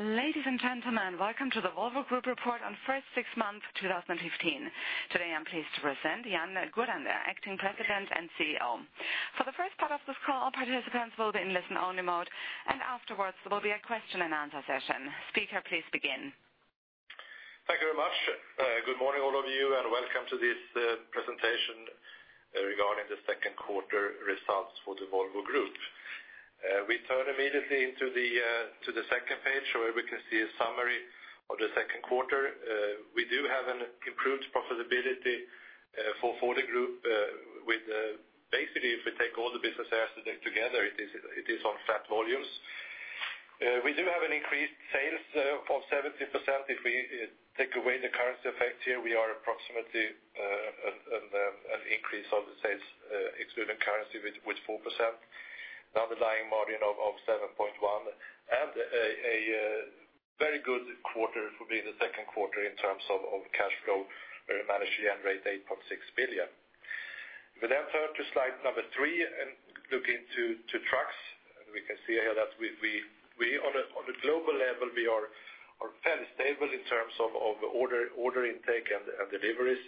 Ladies and gentlemen, welcome to the Volvo Group report on first six months 2015. Today, I'm pleased to present Jan Gurander, Acting President and CEO. For the first part of this call, participants will be in listen only mode, afterwards there will be a question and answer session. Speaker, please begin. Thank you very much. Good morning all of you, and welcome to this presentation regarding the second quarter results for the Volvo Group. We turn immediately into the second page where we can see a summary of the second quarter. We do have an improved profitability for the group, with basically if we take all the business areas together, it is on flat volumes. We do have an increased sales of 17%. If we take away the currency effect here, we are approximately an increase of the sales excluding currency with 4%, underlying margin of 7.1%, and a very good quarter for being the second quarter in terms of cash flow, where we managed to generate 8.6 billion. We then turn to slide number three and look into trucks. We can see here that on a global level, we are fairly stable in terms of order intake and deliveries,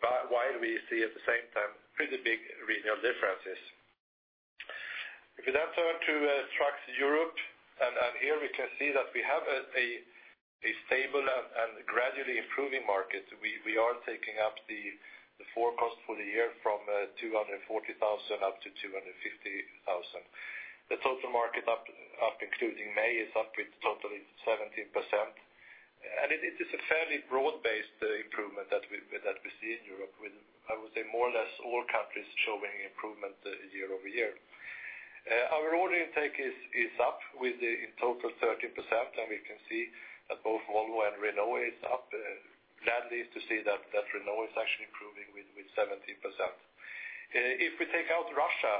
but while we see at the same time pretty big regional differences. If we then turn to Trucks Europe, and here we can see that we have a stable and gradually improving market. We are taking up the forecast for the year from 240,000 up to 250,000. The total market up including May, is up with totally 17%, and it is a fairly broad-based improvement that we see in Europe with, I would say, more or less all countries showing improvement year-over-year. Our order intake is up with in total 13%, and we can see that both Volvo and Renault is up. Gladly to see that Renault is actually improving with 17%. If we take out Russia,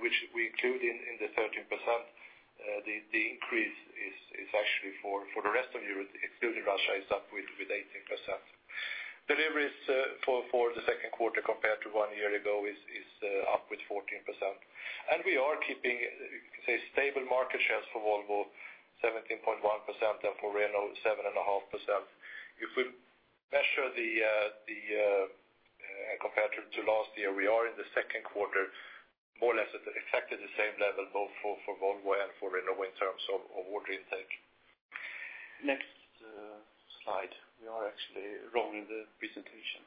which we include in the 13%, the increase is actually for the rest of Europe, excluding Russia, is up with 18%. Deliveries for the second quarter compared to one year ago is up with 14%. We are keeping, you can say, stable market shares for Volvo, 17.1%, and for Renault, 7.5%. If we measure compared to last year, we are in the second quarter more or less at exactly the same level both for Volvo and for Renault in terms of order intake. Next slide. We are actually wrong in the presentation.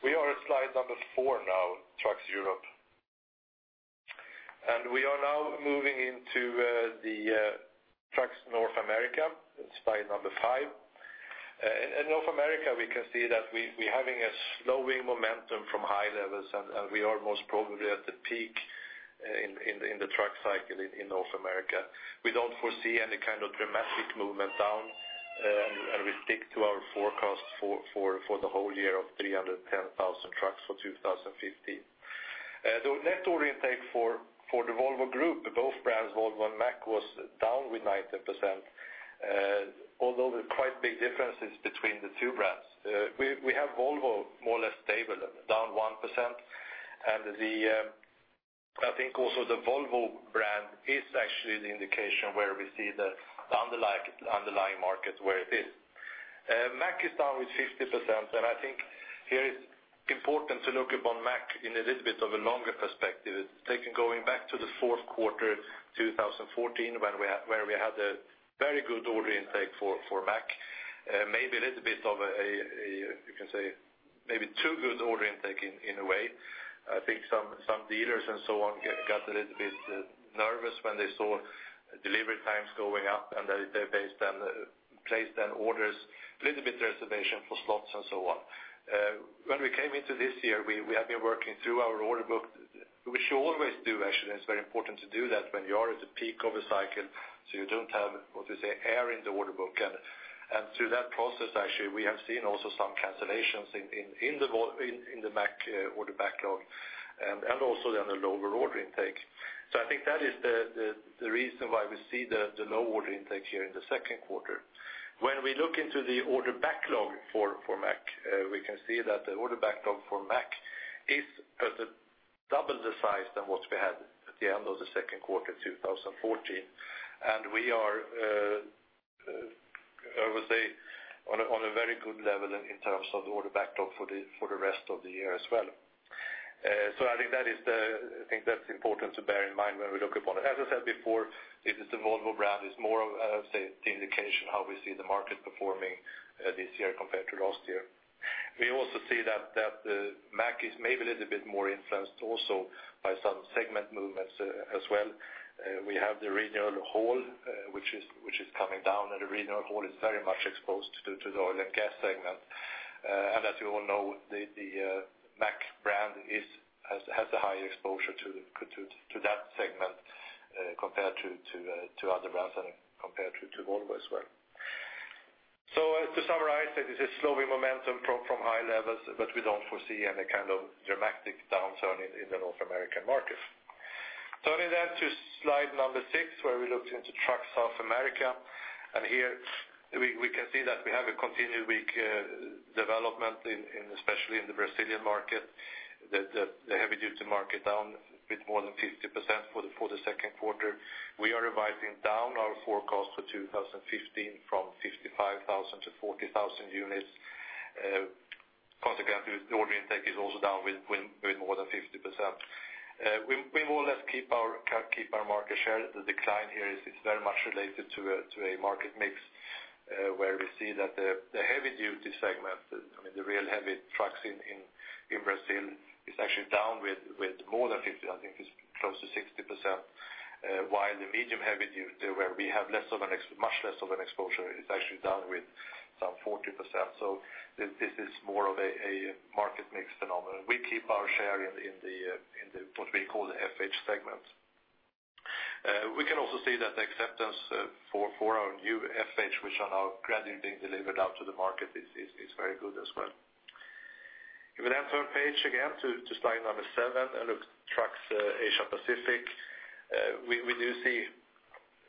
We are at slide number four now, Trucks Europe. We are now moving into the Trucks North America, slide number five. In North America, we can see that we having a slowing momentum from high levels, and we are most probably at the peak in the truck cycle in North America. We don't foresee any kind of dramatic movement down, and we stick to our forecast for the whole year of 310,000 trucks for 2015. The net order intake for the Volvo Group, both brands, Volvo and Mack, was down with 19%, although there are quite big differences between the two brands. We have Volvo more or less stable, down 1%, and I think also the Volvo brand is actually the indication where we see the underlying market where it is. Mack is down with 50%, and I think here it's important to look upon Mack in a little bit of a longer perspective, going back to the fourth quarter 2014, where we had a very good order intake for Mack. Maybe a little bit of a, you can say, maybe too good order intake in a way. I think some dealers and so on got a little bit nervous when they saw delivery times going up, and they placed then orders, a little bit reservation for slots and so on. When we came into this year, we have been working through our order book, which you always do, actually, and it's very important to do that when you are at the peak of a cycle, so you don't have, what you say, air in the order book. Through that process, actually, we have seen also some cancellations in the Mack order backlog, and also then a lower order intake. I think that is the reason why we see the low order intake here in the second quarter. When we look into the order backlog for Mack, we can see that the order backlog for Mack is double the size than what we had at the end of the second quarter 2014. We are, I would say, on a very good level in terms of the order backlog for the rest of the year as well. I think that's important to bear in mind when we look upon it. As I said before, it is the Volvo brand is more of, I would say, the indication how we see the market performing this year compared to last year. We also see that Mack is maybe a little bit more influenced also by some segment movements as well. We have the regional haul, which is coming down, and the regional haul is very much exposed to the oil and gas segment. As you all know, the Mack brand has a high exposure to that segment compared to other brands and compared to Volvo as well. To summarize, this is slowing momentum from high levels, but we don't foresee any kind of dramatic downturn in the North American market. Turning to slide number six, where we looked into Trucks North America, and here we can see that we have a continued weak development, especially in the Brazilian market. The heavy-duty market down a bit more than 50% for the second quarter. We are revising down our forecast for 2015 from 55,000 to 40,000 units. Consequently, the order intake is also down with more than 50%. We more or less keep our market share. The decline here is very much related to a market mix, where we see that the heavy-duty segment, I mean, the real heavy trucks in Brazil, is actually down with more than 50%, I think it's close to 60%, while the medium heavy-duty, where we have much less of an exposure, is actually down with some 40%. This is more of a market mix phenomenon. We keep our share in what we call the FH segment. We can also see that the acceptance for our new FH, which are now gradually being delivered out to the market, is very good as well. Turning page again to slide number seven and look Trucks Asia-Pacific. We do see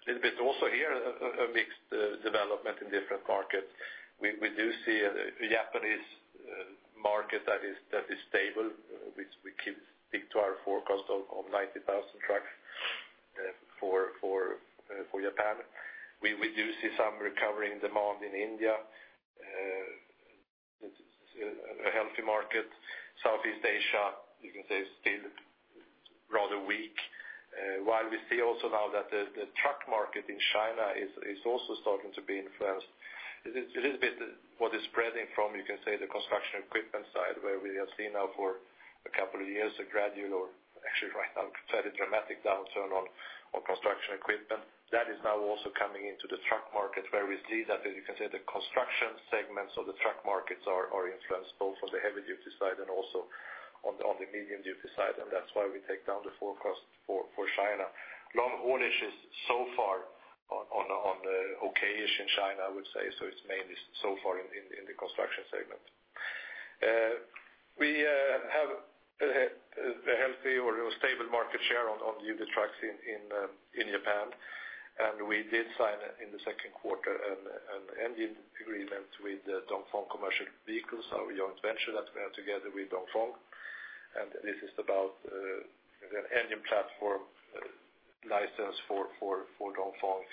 a little bit also here, a mixed development in different markets. We do see a Japanese market that is stable, which we keep to our forecast of 90,000 trucks for Japan. We do see some recovering demand in India, a healthy market. Southeast Asia, you can say, still rather weak, while we see also now that the truck market in China is also starting to be influenced. It is a little bit what is spreading from, you can say, the construction equipment side, where we have seen now for a couple of years a gradual, or actually right now, fairly dramatic downturn on construction equipment. That is now also coming into the truck market, where we see that, as you can say, the construction segments of the truck markets are influenced both on the heavy-duty side and also on the medium-duty side, that's why we take down the forecast for China. Long haulage is so far on the okay-ish in China, I would say. It's mainly so far in the construction segment. We have a healthy or stable market share on the heavy trucks in Japan, and we did sign in the second quarter an engine agreement with Dongfeng Commercial Vehicles, our joint venture that we have together with Dongfeng. This is about the engine platform license for Dongfeng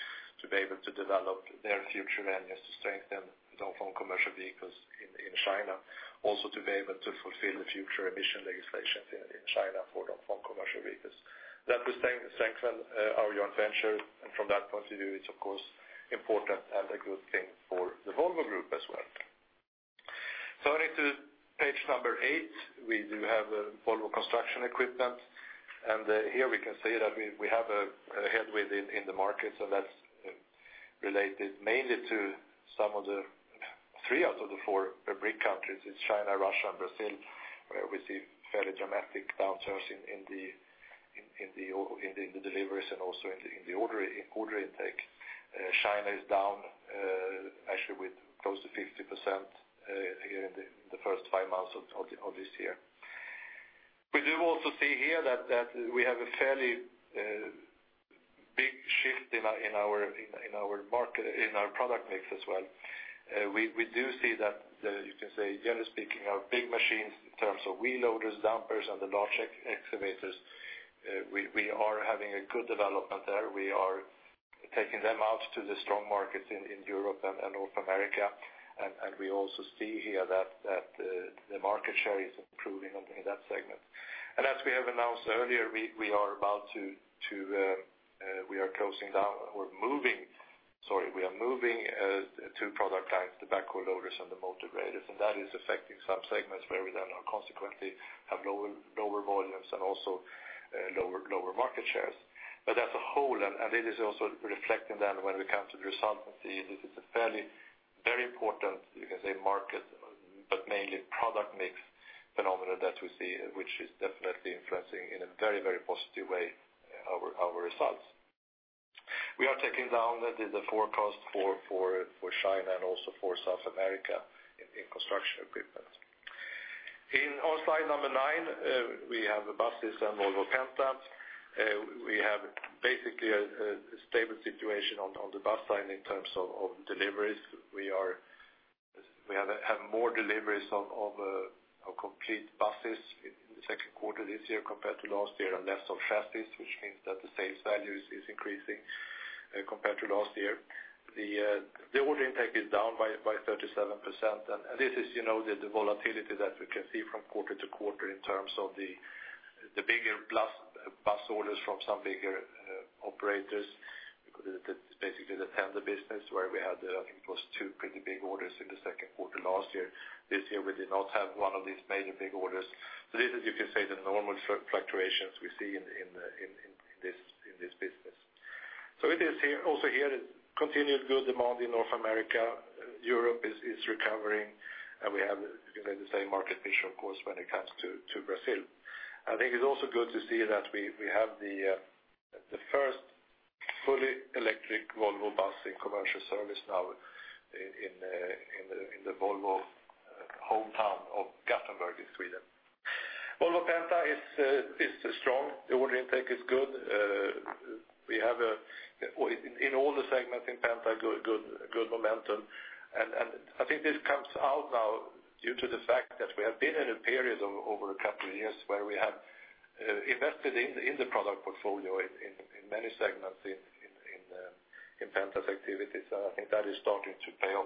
to be able to develop their future engines to strengthen Dongfeng Commercial Vehicles in China. Also to be able to fulfill the future emission legislations in China for Dongfeng Commercial Vehicles. That will strengthen our joint venture, and from that point of view, it's of course important and a good thing for the Volvo Group as well. Turning to page number eight, we do have Volvo Construction Equipment. Here we can see that we have a headwind in the market, and that's related mainly to three out of the four BRIC countries. It's China, Russia and Brazil, where we see fairly dramatic downturns in the deliveries and also in the order intake. China is down, actually with close to 50% here in the first five months of this year. We do also see here that we have a fairly big shift in our product mix as well. We do see that, generally speaking, our big machines in terms of wheel loaders, dumpers, and the large excavators, we are having a good development there. We are taking them out to the strong markets in Europe and North America, and we also see here that the market share is improving in that segment. As we have announced earlier, we are moving two product lines, the backhoe loaders and the motor graders. That is affecting some segments where we then consequently have lower volumes and also lower market shares. As a whole, it is also reflecting then when we come to the result and see this is a fairly, very important, market, but mainly product mix phenomenon that we see, which is definitely influencing in a very positive way our results. We are taking down the forecast for China and also for South America in construction equipment. On slide number nine, we have the buses and Volvo Penta. We have basically a stable situation on the bus side in terms of deliveries. We have more deliveries of complete buses in the second quarter this year compared to last year, and less of chassis, which means that the sales value is increasing compared to last year. The order intake is down by 37%, and this is the volatility that we can see from quarter to quarter in terms of the bigger bus orders from some bigger operators. It's basically the tender business where we had, I think it was two pretty big orders in the second quarter last year. This year we did not have one of these major big orders. This is, the normal fluctuations we see in this business. It is also here, continued good demand in North America. Europe is recovering and we have the same market issue, of course, when it comes to Brazil. I think it's also good to see that we have the first fully electric Volvo bus in commercial service now in the Volvo hometown of Gothenburg in Sweden. Volvo Penta is strong. The order intake is good. We have in all the segments in Penta, good momentum. I think this comes out now due to the fact that we have been in a period of over a couple of years where we have invested in the product portfolio in many segments in Penta's activities. I think that is starting to paying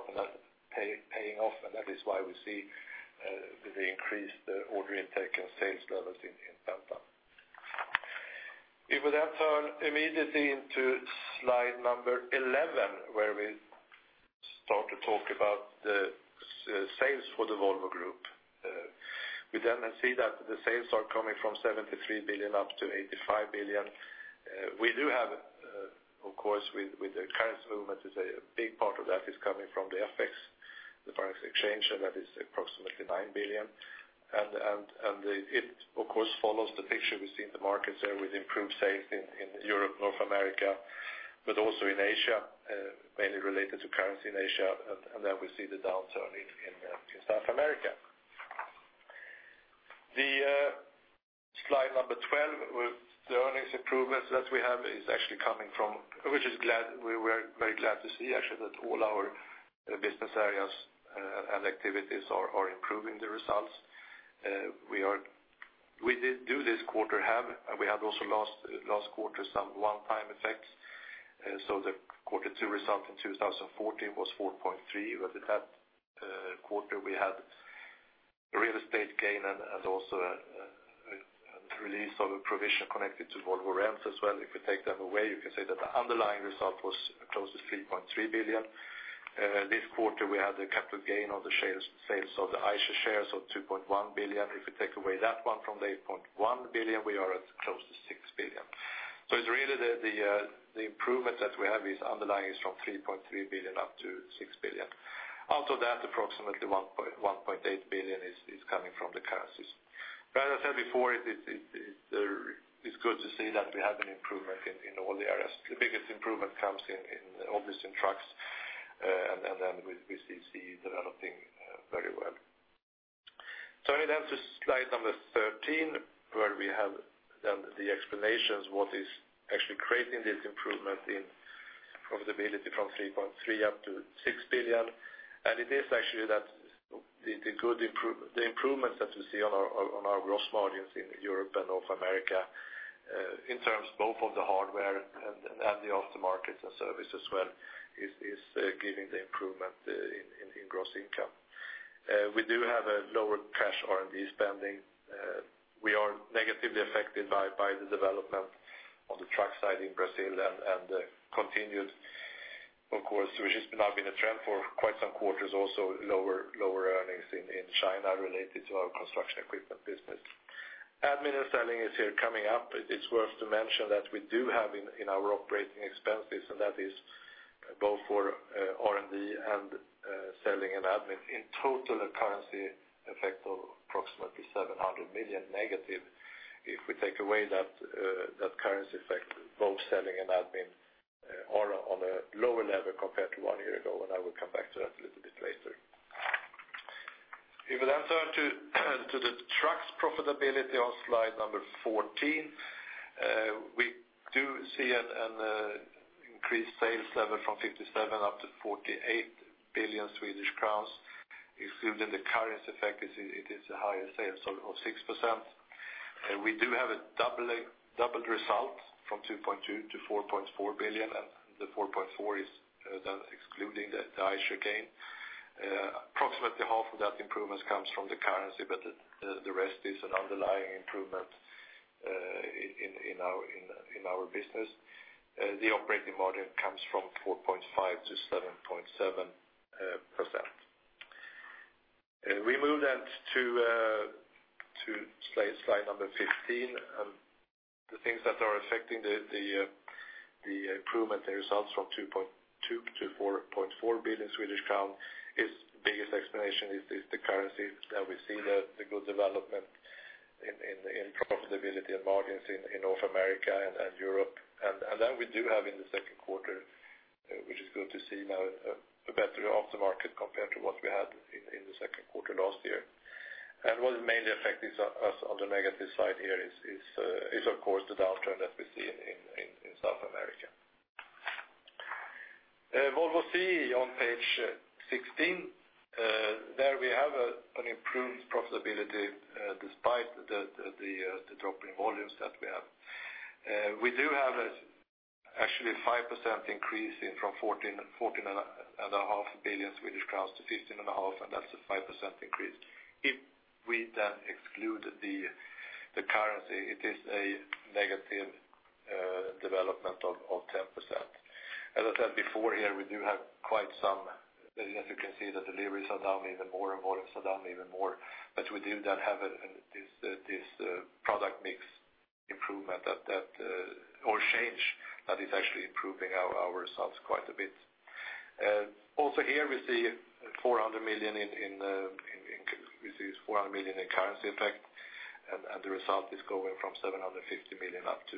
off, and that is why we see the increased order intake and sales levels in Penta. We will turn immediately into slide number 11, where we start to talk about the sales for the Volvo Group. We see that the sales are coming from 73 billion up to 85 billion. We do have, of course, with the currency movements, a big part of that is coming from the FX, the foreign exchange, and that is approximately 9 billion. It, of course, follows the picture we see in the markets there with improved sales in Europe, North America, but also in Asia, mainly related to currency in Asia. We see the downturn in South America. Slide 12, the earnings improvements that we have, we were very glad to see actually that all our business areas and activities are improving the results. We do this quarter have, and we had also last quarter some one-time effects. So the Q2 result in 2014 was 4.3 billion, but at that quarter we had real estate gain and also a release of a provision connected to Volvo Rents as well. If you take them away, you can say that the underlying result was close to 3.3 billion. This quarter we had a capital gain on the sales of the Eicher shares of 2.1 billion. If you take away that one from the 8.1 billion, we are at close to 6 billion. It's really the improvement that we have is underlying is from 3.3 billion up to 6 billion. Out of that, approximately 1.8 billion is coming from the currencies. As I said before, it's good to see that we have an improvement in all the areas. The biggest improvement comes obviously in trucks, we see developing very well. Turning to Slide 13, where we have done the explanations what is actually creating this improvement in profitability from 3.3 billion up to 6 billion. It is actually that the improvements that we see on our gross margins in Europe and North America, in terms both of the hardware and the aftermarket and service as well, is giving the improvement in gross income. We do have a lower cash R&D spending. We are negatively affected by the development on the truck side in Brazil and continued, of course, which has now been a trend for quite some quarters also, lower earnings in China related to our construction equipment business. Admin and selling is here coming up. It's worth to mention that we do have in our operating expenses, and that is both for R&D and selling and admin, in total a currency effect of approximately 700 million negative. If we take away that currency effect, both selling and admin are on a lower level compared to one year ago. I will come back to that a little bit later. We will turn to the trucks profitability on Slide 14. We do see an increased sales level from 57 billion up to 48 billion Swedish crowns. Excluding the currency effect, it is a higher sales of 6%. We do have a doubled result from 2.2 billion to 4.4 billion, and the 4.4 billion is excluding the Eicher gain. Approximately half of that improvement comes from the currency. The rest is an underlying improvement in our business. The operating margin comes from 4.5% to 7.7%. We move to slide 15. The things that are affecting the improvement in results from 2.2 billion to 4.4 billion Swedish krona, its biggest explanation is the currency. We see the good development in profitability and margins in North America and Europe. We do have in the second quarter, which is good to see now, a better off the market compared to what we had in the second quarter last year. What mainly affect us on the negative side here is, of course, the downturn that we see in South America. Volvo CE on page 16. There we have an improved profitability despite the drop in volumes that we have. We do have actually 5% increase from 14.5 billion Swedish krona to 15.5 billion, and that's a 5% increase. If we then exclude the currency, it is a negative development of 10%. As I said before, here we do have quite some, as you can see, the deliveries are down even more and volumes are down even more. We do have this product mix improvement or change that is actually improving our results quite a bit. Also here we see 400 million in currency effect. The result is going from 750 million up to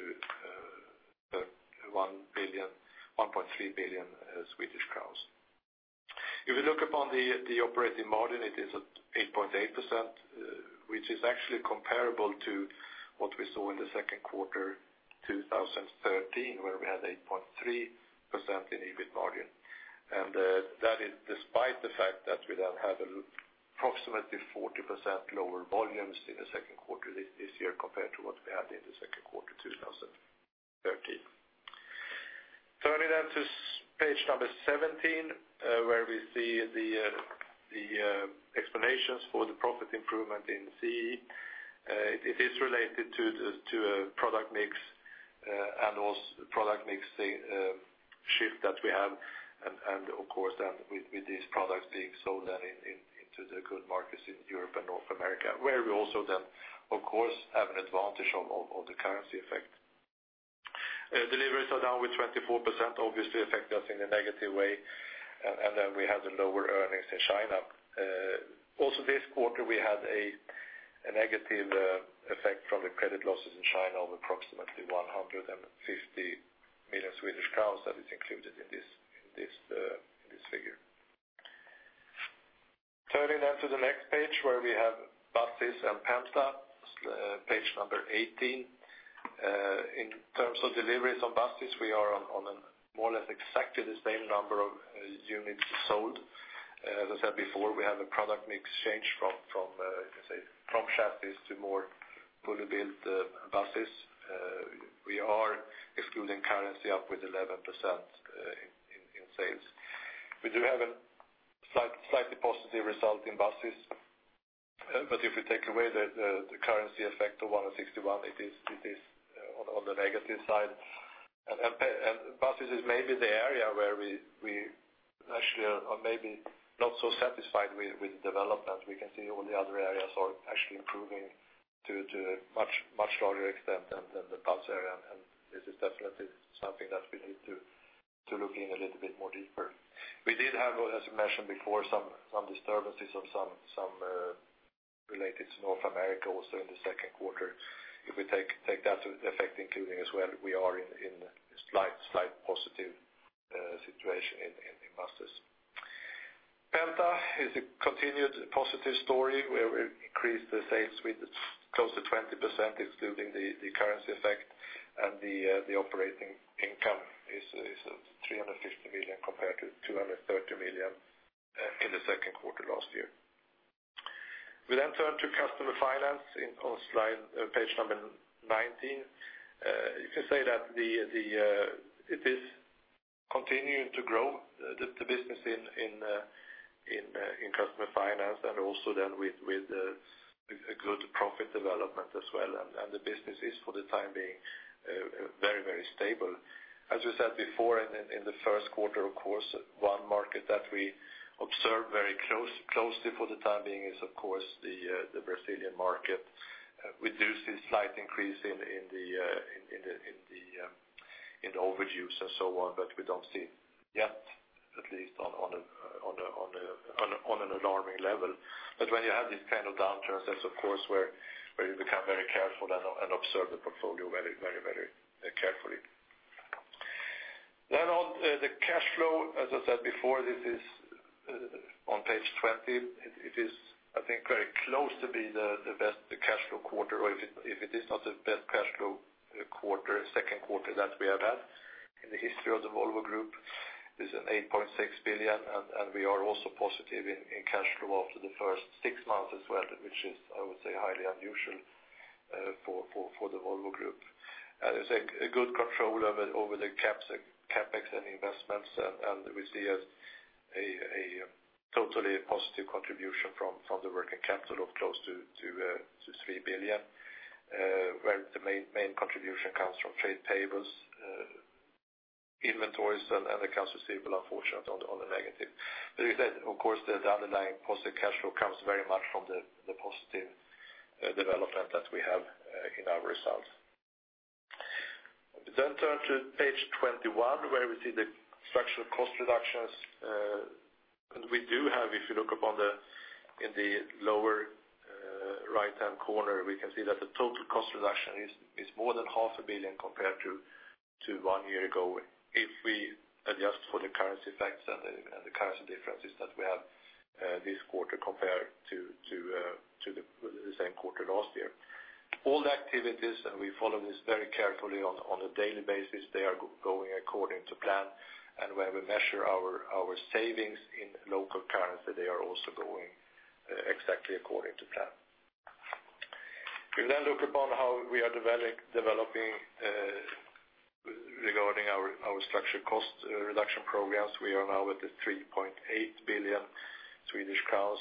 1.3 billion Swedish krona. If you look upon the operating margin, it is at 8.8%, which is actually comparable to what we saw in the second quarter 2013, where we had 8.3% in EBIT margin. That is despite the fact that we then had approximately 40% lower volumes in the second quarter this year compared to what we had in the second quarter 2013. Turning to page 17, where we see the explanations for the profit improvement in CE. It is related to a product mix and also product mix shift that we have. Of course with these products being sold into the good markets in Europe and North America, where we also, of course, have an advantage of the currency effect. Deliveries are down with 24%, obviously affect us in a negative way. We have the lower earnings in China. Also this quarter, we had a negative effect from the credit losses in China of approximately 150 million Swedish krona that is included in this figure. Turning to the next page where we have buses and Penta, page 18. In terms of deliveries on buses, we are on a more or less exactly the same number of units sold. As I said before, we have a product mix change from chassis to more fully built buses. We are excluding currency up with 11% in sales. We do have a slightly positive result in buses. If you take away the currency effect of 161 million, it is on the negative side. Buses is maybe the area where we actually are maybe not so satisfied with the development. We can see all the other areas are actually improving to a much larger extent than the bus area, and this is definitely something that we need to look in a little bit more deeper. We did have, as I mentioned before, some disturbances related to North America also in the second quarter. If we take that effect including as well, we are in slight positive situation in buses. Penta is a continued positive story where we increased the sales with close to 20%, excluding the currency effect, and the operating income is 350 million compared to 230 million in the second quarter last year. We turn to page 19. It is continuing to grow the business in customer finance also with a good profit development as well, and the business is for the time being very stable. As we said before in the first quarter, one market that we observe very closely for the time being is the Brazilian market. We see slight increase in the overdue and so on, we don't see yet at least on an alarming level. When you have these kind of downturns, that's where you become very careful and observe the portfolio very carefully. On the cash flow, as I said before, this is on page 20. It is, I think, very close to be the best cash flow quarter or if it is not the best cash flow second quarter that we have had in the history of the Volvo Group, is at 8.6 billion, and we are also positive in cash flow after the first six months as well, which is, I would say, highly unusual for the Volvo Group. There is good control over the CapEx and investments, and we see a totally positive contribution from the working capital of close to 3 billion, where the main contribution comes from trade payables, inventories, and accounts receivable, unfortunately, on the negative. The underlying positive cash flow comes very much from the positive development that we have in our results. We turn to page 21 where we see the structural cost reductions. We have, if you look up in the lower right-hand corner, we can see that the total cost reduction is more than SEK half a billion compared to one year ago if we adjust for the currency effects and the currency differences that we have this quarter compared to the same quarter last year. All the activities, and we follow this very carefully on a daily basis, are going according to plan. Where we measure our savings in local currency, they are also going exactly according to plan. We will look upon how we are developing regarding our structural cost reduction programs. We are now at 3.8 billion Swedish crowns,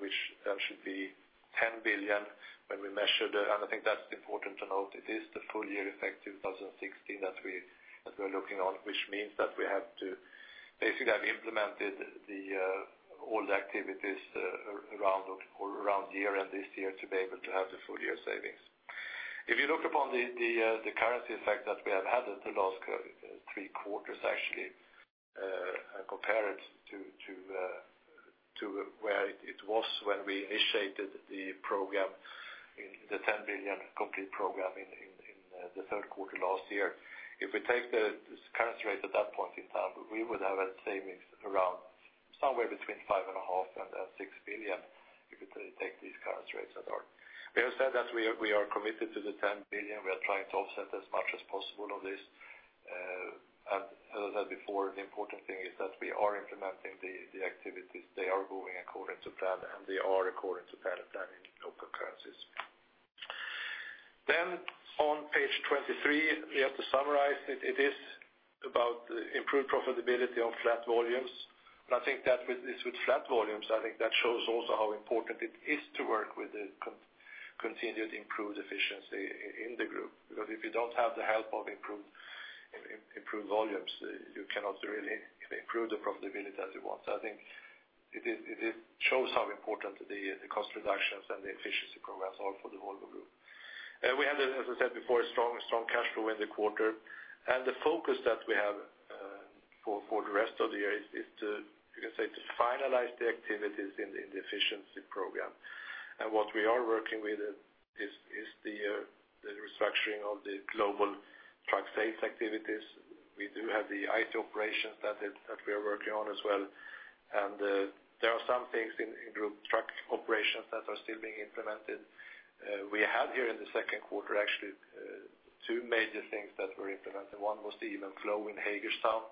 which should be 10 billion when we measured. I think that's important to note. It is the full-year effect 2016 that we're looking on, which means that we have to basically have implemented all the activities around year-end this year to be able to have the full-year savings. If you look upon the currency effect that we have had at the last three quarters, actually, and compare it to where it was when we initiated the program, the 10 billion complete program in the third quarter last year. If we take the current rate at that point in time, we would have a savings around somewhere between 5.5 billion and 6 billion, if we take these current rates that are. We have said that we are committed to 10 billion. We are trying to offset as much as possible of this. As I said before, the important thing is that we are implementing the activities. They are moving according to plan, and they are according to plan in local currencies. On page 23, we have to summarize it. It is about improved profitability on flat volumes. With flat volumes, I think that shows also how important it is to work with the continued improved efficiency in the group. Because if you don't have the help of improved volumes, you cannot really improve the profitability as you want. I think it shows how important the cost reductions and the efficiency programs are for the Volvo Group. We had, as I said before, a strong cash flow in the quarter. The focus that we have for the rest of the year is to, you can say, to finalize the activities in the efficiency program. What we are working with is the restructuring of the global truck sales activities. We do have the IT operations that we are working on as well. There are some things in Group Truck Operations that are still being implemented. We had here in the second quarter, actually, two major things that were implemented. One was the even flow in Hagerstown,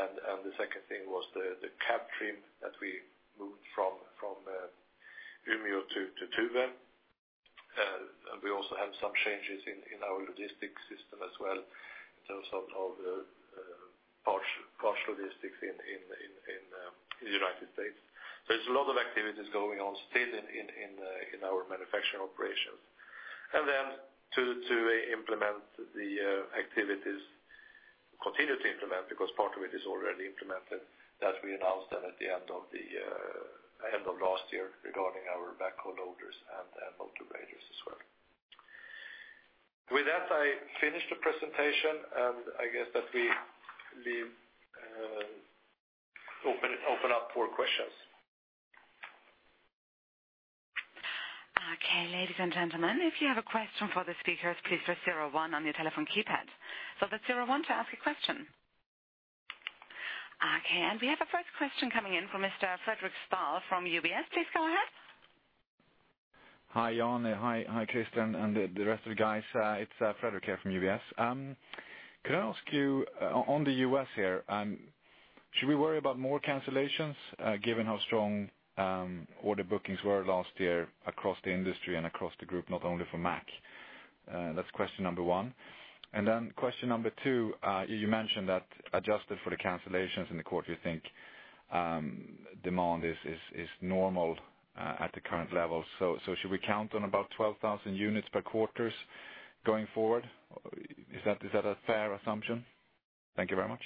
and the second thing was the cab trim that we moved from Umeå to Tuve. We also have some changes in our logistics system as well in terms of parts logistics in United States. There's a lot of activities going on still in our manufacturing operations. To implement the activities, continue to implement, because part of it is already implemented, that we announced them at the end of last year regarding our backhoe loaders and motor graders as well. With that, I finish the presentation, and I guess that we open up for questions. Okay. Ladies and gentlemen, if you have a question for the speakers, please press zero one on your telephone keypad. The zero one to ask a question. We have a first question coming in from Mr. Fredric Stahl from UBS. Please go ahead. Hi, Jan. Hi, Christer, and the rest of the guys. It's Fredric here from UBS. Could I ask you on the U.S. here, should we worry about more cancellations given how strong order bookings were last year across the industry and across the Group, not only for Mack? That's question number one. Question number two, you mentioned that adjusted for the cancellations in the quarter, you think demand is normal at the current level. Should we count on about 12,000 units per quarters going forward? Is that a fair assumption? Thank you very much.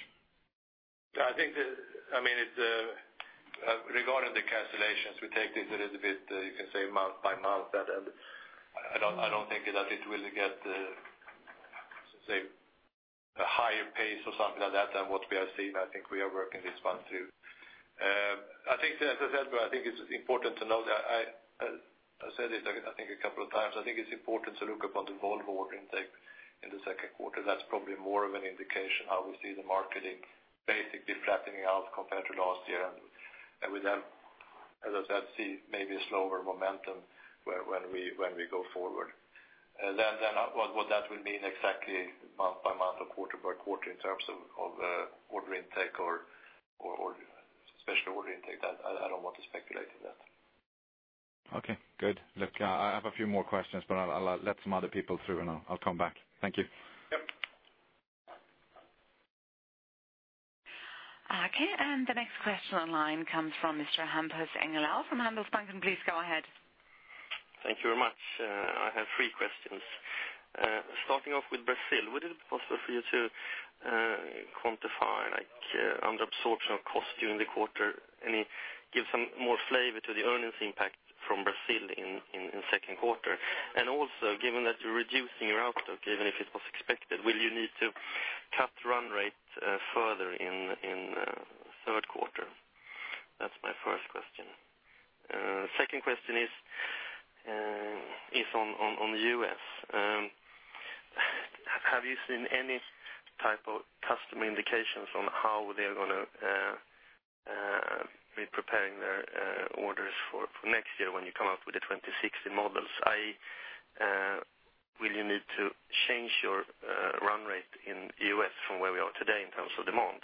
Regarding the cancellations, we take this a little bit, you can say month by month. I don't think that it will get, say, a higher pace or something like that than what we are seeing. I think we are working this one through. As I said, I think it's important to know that, I said it I think a couple of times, I think it's important to look upon the whole order intake in the second quarter. That's probably more of an indication how we see the marketing basically flattening out compared to last year. We then, as I said, see maybe a slower momentum when we go forward. What that will mean exactly month by month or quarter by quarter in terms of order intake or special order intake, I don't want to speculate on that. Okay, good. Look, I have a few more questions, but I'll let some other people through, and I'll come back. Thank you. Yep. Okay, the next question online comes from Mr. Hampus Engellau from Handelsbanken. Please go ahead. Thank you very much. I have three questions. Starting off with Brazil, would it be possible for you to quantify underabsorption of cost during the quarter, and give some more flavor to the earnings impact from Brazil in second quarter? Given that you're reducing your outlook, even if it was expected, will you need to cut run rate further in third quarter? That's my first question. Second question is on the U.S. Have you seen any type of customer indications on how they're going to be preparing their orders for next year when you come out with the 2016 models? Will you need to change your run rate in U.S. from where we are today in terms of demand?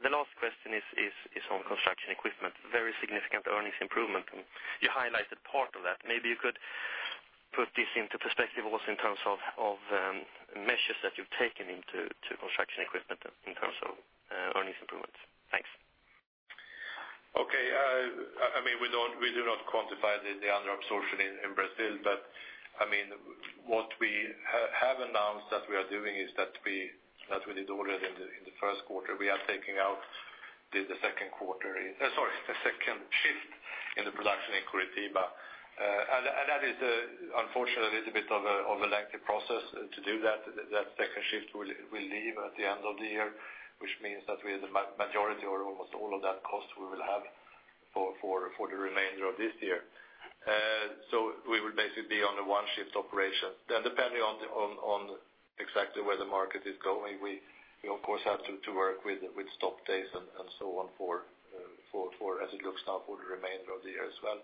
The last question is on construction equipment, very significant earnings improvement, and you highlighted part of that. Maybe you could put this into perspective also in terms of measures that you've taken into construction equipment in terms of earnings improvements. Thanks. Okay. We do not quantify the underabsorption in Brazil, but what we have announced that we are doing is that we did already in the first quarter. We are taking out the second quarter in, sorry, the production in Curitiba. That is unfortunately a little bit of a lengthy process to do that. That second shift will leave at the end of the year, which means that the majority or almost all of that cost we will have for the remainder of this year. We will basically be on a one-shift operation. Depending on exactly where the market is going, we of course have to work with stock days and so on, as it looks now for the remainder of the year as well.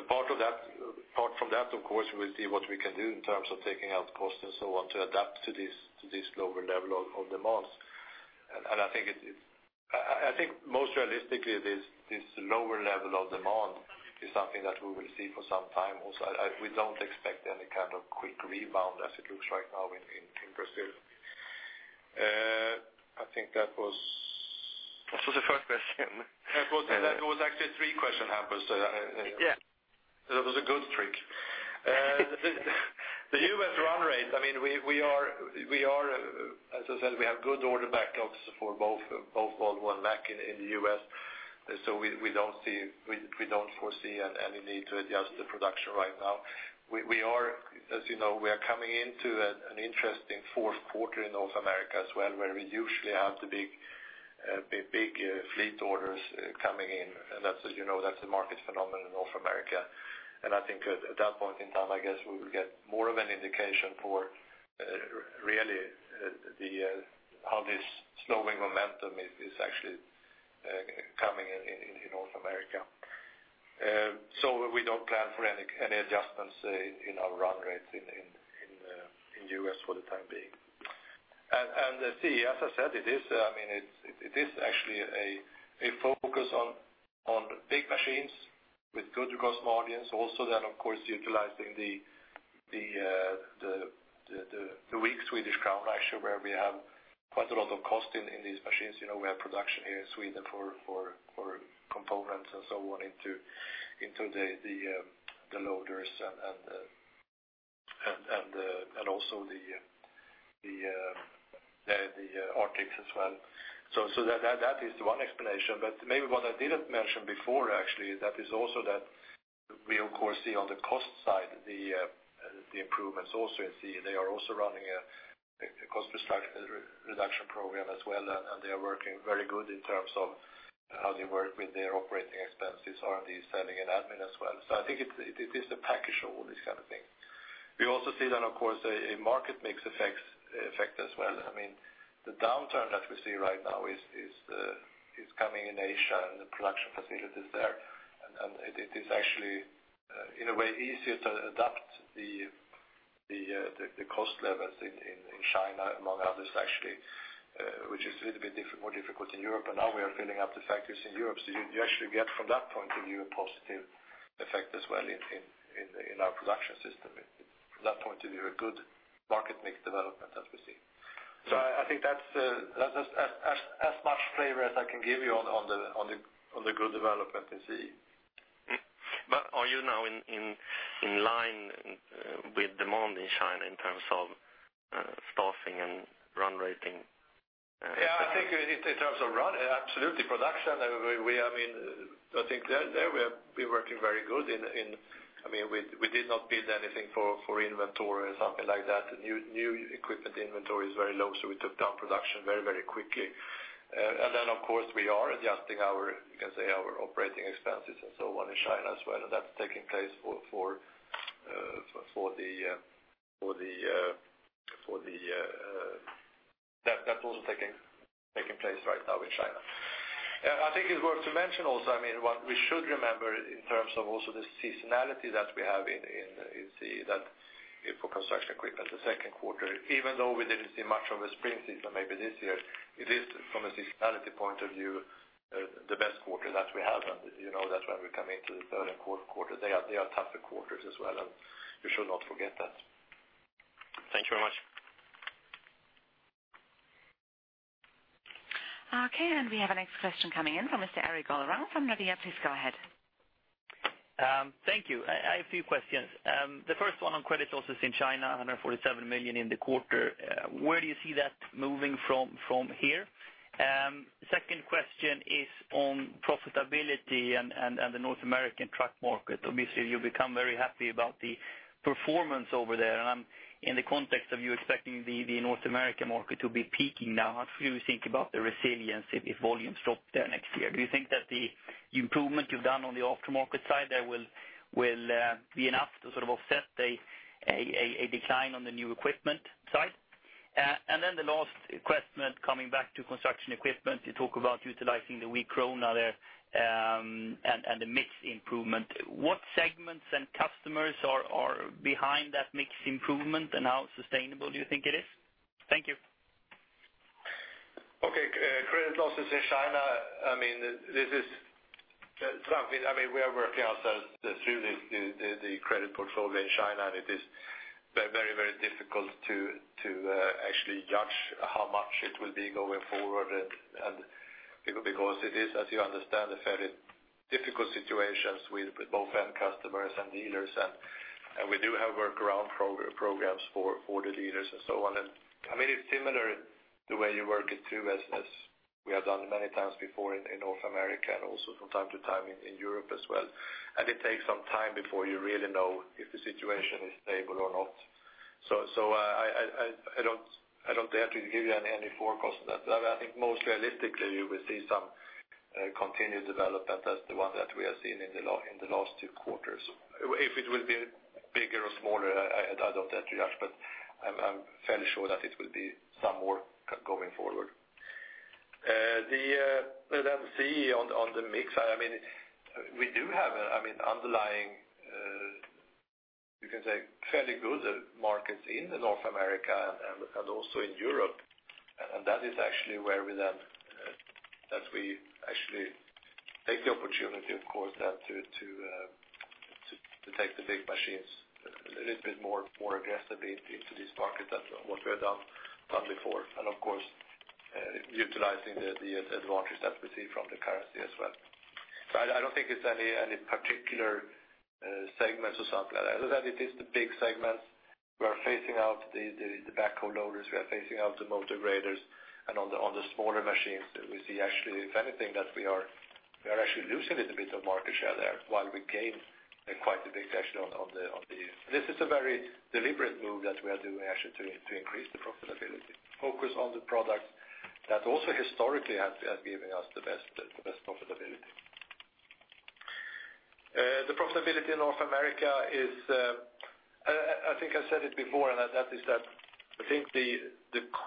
Apart from that, of course, we'll see what we can do in terms of taking out costs and so on to adapt to this global level of demands. I think most realistically, this lower level of demand is something that we will see for some time also. We don't expect any kind of quick rebound as it looks right now in Brazil. That was the first question. It was actually a three-question bundle. Yeah That was a good trick. The U.S. run rate, as I said, we have good order backlogs for both Volvo and Mack in the U.S. We don't foresee any need to adjust the production right now. As you know, we are coming into an interesting fourth quarter in North America as well, where we usually have the big fleet orders coming in, as you know that's a market phenomenon in North America. I think at that point in time, I guess we will get more of an indication for really how this slowing momentum is actually coming in North America. We don't plan for any adjustments in our run rates in U.S. for the time being. CE, as I said, it is actually a focus on big machines with good gross margins also then, of course, utilizing the weak Swedish krona actually, where we have quite a lot of cost in these machines. We have production here in Sweden for components and so on into the loaders and also the Artics as well. That is one explanation, but maybe what I didn't mention before actually, that is also that of course we see on the cost side, the improvements also in CE. They are also running a cost reduction program as well, and they are working very good in terms of how they work with their operating expenses, R&D, selling, and admin as well. I think it is a package of all this kind of thing. We also see then, of course, a market mix effect as well. The downturn that we see right now is coming in Asia and the production facilities there, it is actually, in a way, easier to adapt the cost levels in China, among others actually, which is a little bit more difficult in Europe. Now we are filling up the factories in Europe, you actually get from that point of view, a positive effect as well in our production system. From that point of view, a good market mix development as we see. I think that's as much flavor as I can give you on the good development in CE. Are you now in line with demand in China in terms of staffing and run rating? I think in terms of run, absolutely. Production, I think there we are working very good. We did not build anything for inventory or something like that. New equipment inventory is very low, we took down production very quickly. Then, of course, we are adjusting our, you can say, our operating expenses and so on in China as well, that's also taking place right now in China. I think it's worth to mention also, what we should remember in terms of also the seasonality that we have in CE for construction equipment. The second quarter, even though we didn't see much of a spring season maybe this year, it is from a seasonality point of view, the best quarter that we have, that's when we come into the third and fourth quarter. They are tougher quarters as well, and we should not forget that. Thank you very much. Okay, we have our next question coming in from Mr. Erik Golrang from Nordea. Please go ahead. Thank you. I have two questions. The first one on credit losses in China, 147 million in the quarter. Where do you see that moving from here? Second question is on profitability and the North American truck market. Obviously, you've become very happy about the performance over there, in the context of you expecting the North American market to be peaking now, how do you think about the resiliency if volumes drop there next year? Do you think that the improvement you've done on the aftermarket side there will be enough to sort of offset a decline on the new equipment side? The last question, coming back to construction equipment, you talk about utilizing the weak Swedish krona there, and the mix improvement. What segments and customers are behind that mix improvement, and how sustainable do you think it is? Thank you. Okay. Credit losses in China, we are working ourselves through the credit portfolio in China, it is very difficult to actually judge how much it will be going forward, because it is, as you understand, a very difficult situation with both end customers and dealers, we do have workaround programs for the dealers and so on. It's similar the way you work at VFS, we have done many times before in North America and also from time to time in Europe as well. It takes some time before you really know if the situation is stable or not. I don't dare to give you any forecast on that. I think most realistically, you will see some continued development as the one that we have seen in the last two quarters. If it will be bigger or smaller, I don't dare to guess, but I'm fairly sure that it will be some more going forward. C on the mix. We do have underlying, you can say, fairly good markets in the North America and also in Europe. That is actually where we then actually take the opportunity, of course, to take the big machines a little bit more aggressively into these markets. That's what we have done before. Of course, utilizing the advantages that we see from the currency as well. I don't think it's any particular segments or something like that. Other than it is the big segments, we are phasing out the backhoe loaders, we are phasing out the motor graders, and on the smaller machines, we see actually, if anything, that we are actually losing a little bit of market share there while we gain quite a bit actually. This is a very deliberate move that we are doing actually to increase the profitability. Focus on the products that also historically have given us the best profitability. The profitability in North America is, I think I said it before, and that is that I think the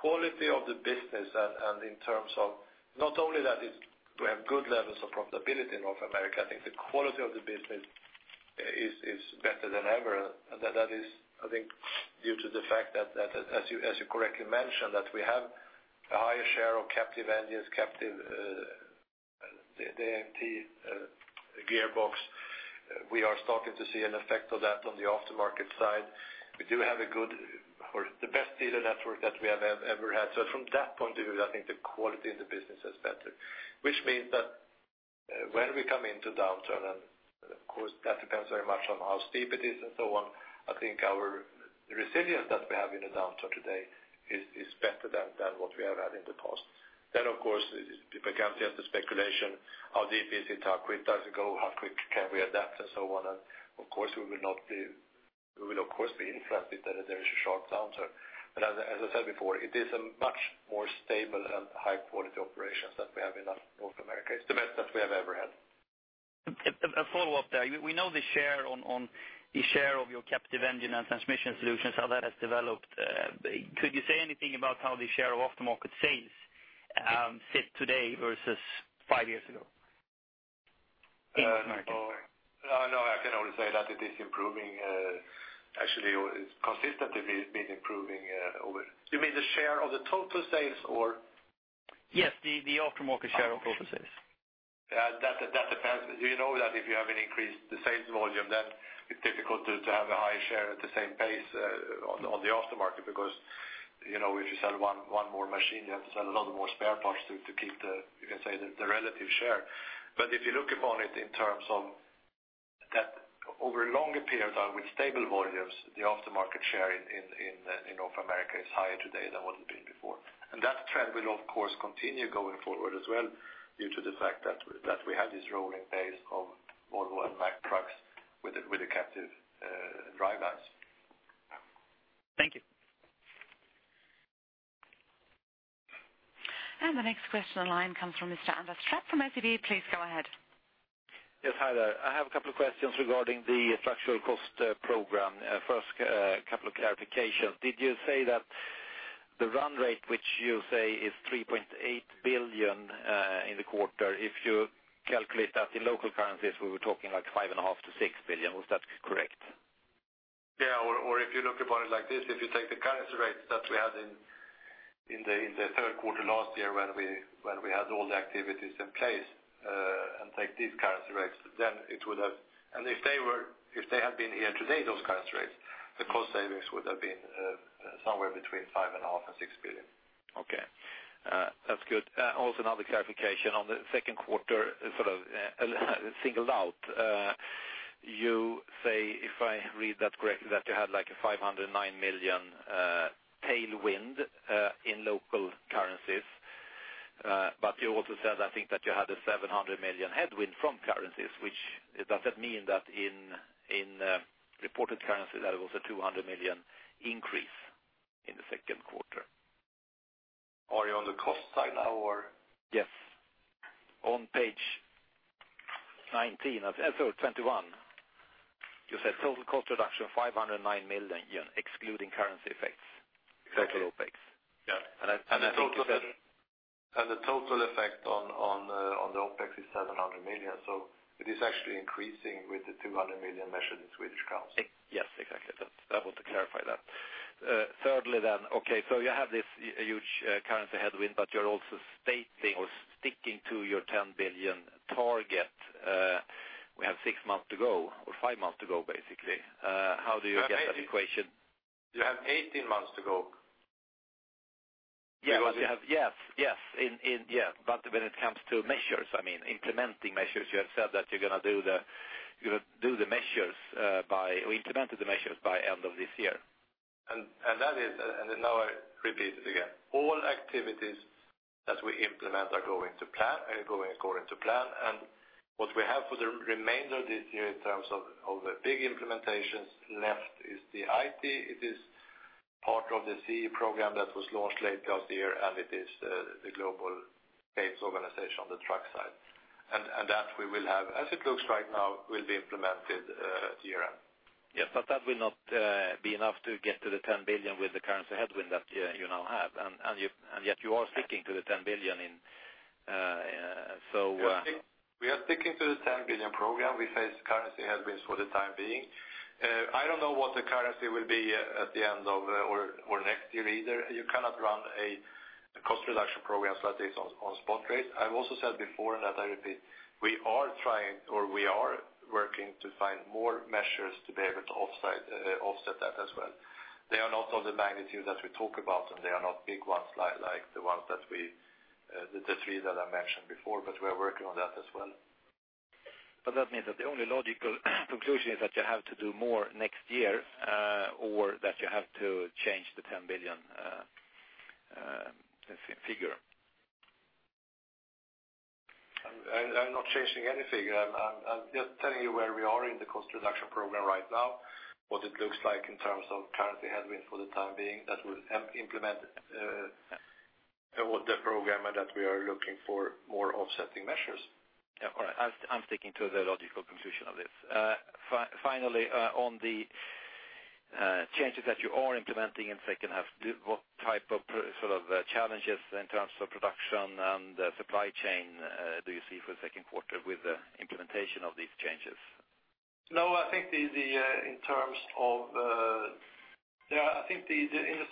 quality of the business and in terms of not only that is we have good levels of profitability in North America, I think the quality of the business is better than ever. That is, I think, due to the fact that, as you correctly mentioned, that we have a higher share of captive engines, captive AMT gearbox. We are starting to see an effect of that on the aftermarket side. We do have a good or the best dealer network that we have ever had. From that point of view, I think the quality of the business is better, which means that when we come into downturn, and of course that depends very much on how steep it is and so on, I think our resilience that we have in a downturn today is better than what we have had in the past. Of course, it becomes just a speculation, how deep is it? How quick does it go? How quick can we adapt and so on? We will of course be impacted that there is a sharp downturn. As I said before, it is a much more stable and high-quality operations that we have in North America. It's the best that we have ever had. A follow-up there. We know the share of your captive engine and transmission solutions, how that has developed. Could you say anything about how the share of aftermarket sales sit today versus five years ago in North America? No, I can only say that it is improving. Actually, it's consistently been improving. You mean the share of the total sales or? Yes, the aftermarket share of total sales. That depends. You know that if you have an increased sales volume, then it's difficult to have a high share at the same pace on the aftermarket because, if you sell one more machine, you have to sell a lot more spare parts to keep the, you can say, the relative share. If you look upon it in terms of that over a longer period of time with stable volumes, the aftermarket share in North America is higher today than what it's been before. That trend will, of course, continue going forward as well due to the fact that we have this rolling base of Volvo and Mack trucks with the captive drivelines. Thank you. The next question on line comes from Mr. Anders Trapp from SEB. Please go ahead. Yes. Hi there. I have a couple of questions regarding the structural cost program. First, couple of clarifications. Did you say that the run rate, which you say is 3.8 billion in the quarter, if you calculate that in local currencies, we were talking like 5.5 billion-6 billion. Was that correct? Yeah. If you look upon it like this, if you take the currency rates that we had in the third quarter last year when we had all the activities in place, and take these currency rates, and if they had been here today, those currency rates, the cost savings would have been somewhere between 5.5 billion and 6 billion. Okay. That's good. Another clarification on the second quarter, sort of singled out. You say, if I read that correctly, that you had like a 509 million tailwind in local currencies. You also said, I think, that you had a 700 million headwind from currencies, which does that mean that in reported currency, that it was a 200 million increase in the second quarter? Are you on the cost side now or? Yes. On page 19, and 21, you said total cost reduction SEK 509 million, excluding currency effects. Exactly. Total OpEx. Yeah. I think you said. The total effect on the OpEx is 700 million, so it is actually increasing with 200 million measured in SEK. Yes, exactly. I want to clarify that. Thirdly, okay, so you have this huge currency headwind, but you're also stating or sticking to your 10 billion target. We have six months to go or five months to go, basically. How do you get that equation? You have 18 months to go. Yes. When it comes to measures, implementing measures, you have said that you're going to do the measures by, or implemented the measures by end of this year. Now I repeat it again. All activities that we implement are going according to plan. What we have for the remainder of this year in terms of the big implementations left is the IT. It is part of the CE program that was launched late last year, and it is the global sales organization on the truck side. That we will have, as it looks right now, will be implemented year-end. Yes. That will not be enough to get to the 10 billion with the currency headwind that you now have. Yet you are sticking to the 10 billion in. We are sticking to the 10 billion program. We face currency headwinds for the time being. I don't know what the currency will be at the end of, or next year either. You cannot run a cost reduction program like this on spot rates. I've also said before, that I repeat, we are trying, or we are working to find more measures to be able to offset that as well. They are not of the magnitude that we talk about, and they are not big ones like the ones that we, the three that I mentioned before, but we are working on that as well. That means that the only logical conclusion is that you have to do more next year, or that you have to change the 10 billion figure. I'm not changing any figure. I'm just telling you where we are in the cost reduction program right now, what it looks like in terms of currency headwind for the time being, that we have implemented the program, and that we are looking for more offsetting measures. Yeah. All right. I'm sticking to the logical conclusion of this. Finally, on the changes that you are implementing in second half, what type of challenges in terms of production and supply chain do you see for the second quarter with the implementation of these changes? No, I think in the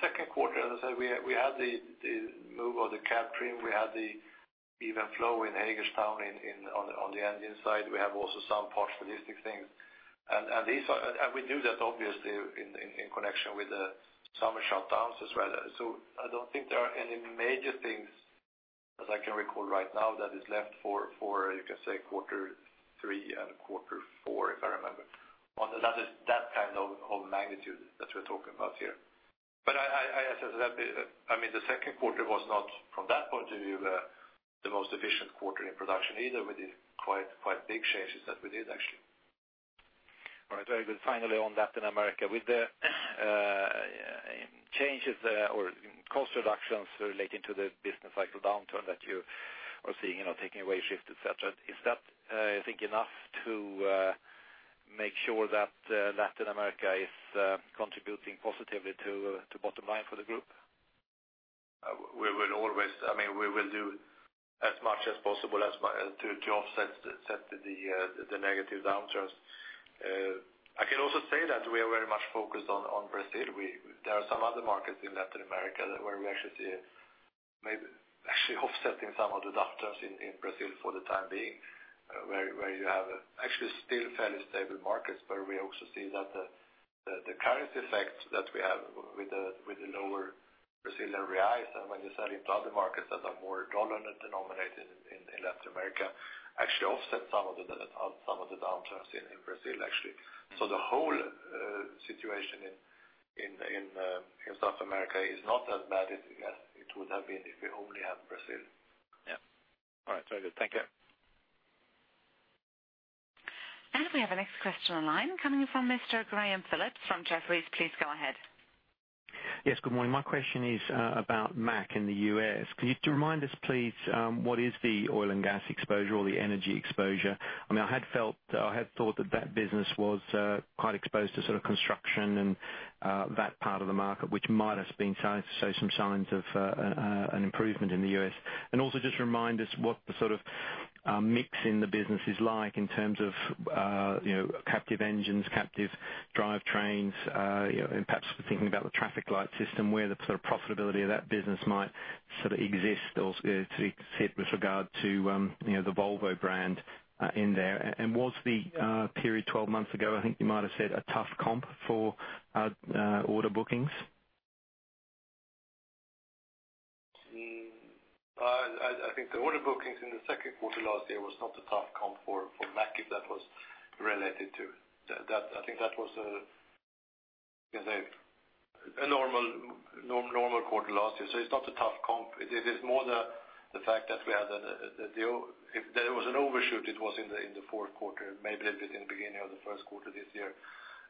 second quarter, as I said, we had the move of the cab trim, we had the even flow in Hagerstown on the engine side. We have also some portfolio things. We knew that obviously in connection with the summer shutdowns as well. I don't think there are any major things that I can recall right now that is left for, you can say quarter three and quarter four, if I remember. That kind of magnitude that we're talking about here. The second quarter was not, from that point of view, the most efficient quarter in production either. We did quite big changes that we did, actually. All right. Very good. Finally, on Latin America, with the changes or cost reductions relating to the business cycle downturn that you are seeing, taking away shift, et cetera, is that, you think, enough to make sure that Latin America is contributing positively to bottom line for the group? We will do as much as possible to offset the negative downturns. I can also say that we are very much focused on Brazil. There are some other markets in Latin America where we actually see, maybe actually offsetting some of the downturns in Brazil for the time being, where you have actually still fairly stable markets, but we also see that the currency effect that we have with the lower BRL and when you sell it to other markets that are more dollar-denominated in Latin America, actually offset some of the downturns in Brazil, actually. The whole situation in South America is not as bad as it would have been if we only had Brazil. Yeah. All right. Very good. Thank you. We have our next question online coming from Mr. Graham Phillips from Jefferies. Please go ahead. Yes, good morning. My question is about Mack in the U.S. Could you remind us, please, what is the oil and gas exposure or the energy exposure? I had thought that that business was quite exposed to construction and that part of the market, which might have been showing some signs of an improvement in the U.S. Also just remind us what the mix in the business is like in terms of captive engines, captive drivetrains, and perhaps thinking about the traffic light system, where the profitability of that business might exist or sit with regard to the Volvo brand in there. Was the period 12 months ago, I think you might have said, a tough comp for order bookings? I think the order bookings in the second quarter last year was not a tough comp for Mack if that was related to that. I think that was a normal quarter last year. It's not a tough comp. It is more the fact that we had the If there was an overshoot, it was in the fourth quarter, maybe a bit in the beginning of the first quarter this year.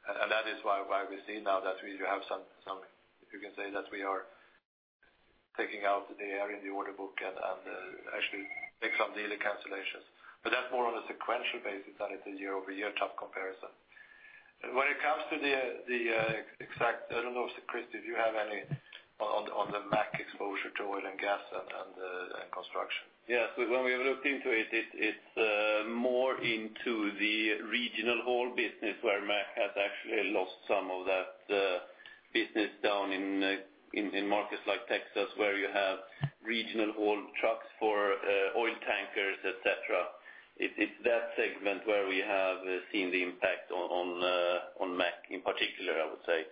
That is why we see now that we do have some, you can say that we are taking out the area in the order book and actually make some dealer cancellations. That's more on a sequential basis than it's a year-over-year tough comparison. When it comes to the exact. I don't know, Christer, do you have any on the Mack exposure to oil and gas and construction? Yes. When we looked into it's more into the regional haul business where Mack has actually lost some of that business down in markets like Texas, where you have Regional oil trucks for oil tankers, et cetera. It's that segment where we have seen the impact on Mack in particular, I would say.